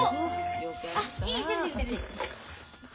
あっいいよ。